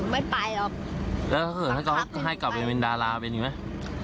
ไม่ไปเราแล้วเครื่องเภอก็ให้กลับไปในดาราแบบนี้ไหม